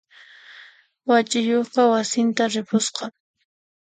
Wach'iyuqqa wasinta ripusqa.